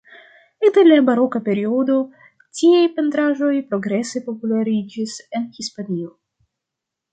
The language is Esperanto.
Ekde la baroka periodo, tiaj pentraĵoj progrese populariĝis en Hispanio.